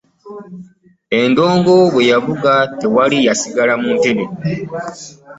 Endongo bwe yavuga tewali yasigala mu ntebe.